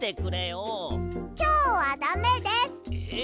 きょうはダメです。え！